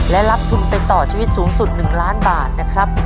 และรับทุนไปต่อชีวิตสูงสุด๑ล้านบาทนะครับ